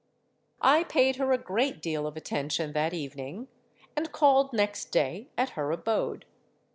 "I paid her a great deal of attention that evening, and called next day at her abode.